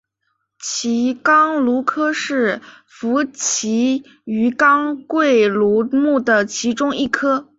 奇肛鲈科是辐鳍鱼纲鲑鲈目的其中一科。